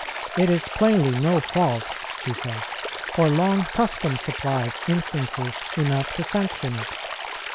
"It is plainly no fault," he says, "for long custom supplies instances enough to sanction it.